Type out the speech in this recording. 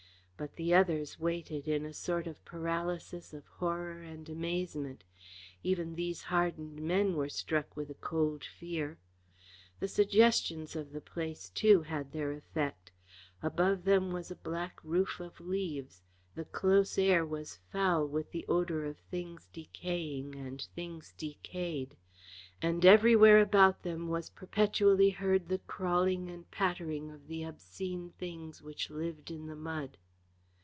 But the others waited in a sort of paralysis of horror and amazement. Even these hardened men were struck with a cold fear. The suggestions of the place, too, had their effect. Above them was a black roof of leaves, the close air was foul with the odour of things decaying and things decayed, and everywhere about them was perpetually heard the crawling and pattering of the obscene things which lived in the mud.